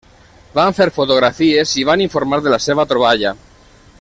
Van fer fotografies i van informar de la seva troballa.